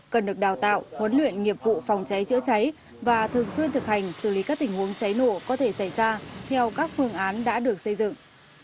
cần được đào tạo huấn luyện nghiệp vụ phòng cháy chữa cháy và thường xuyên thực hành xử lý các tình huống cháy nổ có thể xảy ra theo các phương án đã được xây dựng